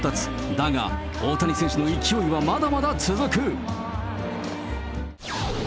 だが、大谷選手の勢いはまだまだ続く。